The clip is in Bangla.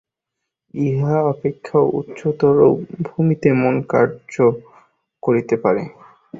ইহা অপেক্ষাও উচ্চতর ভূমিতে মন কার্য করিতে পারে।